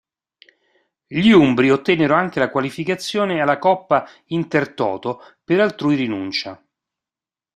Gli umbri ottennero anche la qualificazione alla Coppa Intertoto per altrui rinuncia.